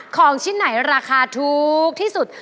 ของชิ้นไหนราคาถูกที่สุด